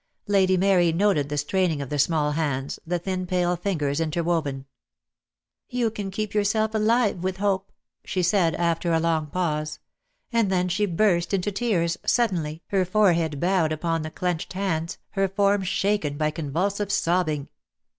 Lady Mary noted the strain ing of the small hands, the thin pale fingers inter woven. "You can keep yourself alive with hope," she said, after a long pause; and then she burst into tears, suddenly, her forehead bowed upon the clenched hands, her form shaken by convulsive sobbing.